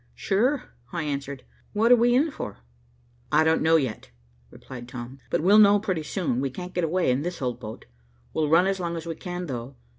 "Sure," I answered. "What are we in for?" "I don't know yet," replied Tom, "but we'll know pretty soon. We can't get away in this old boat. We'll run as long as we can, though.